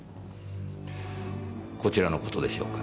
こちらの事でしょうか。